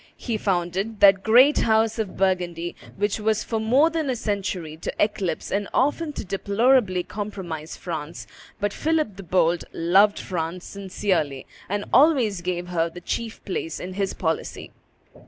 He founded that great house of Burgundy which was for more than a century to eclipse and often to deplorably compromise France; but Philip the Bold loved France sincerely, and always gave her the chief place in his policy.